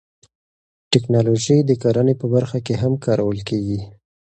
تکنالوژي د کرنې په برخه کې هم کارول کیږي.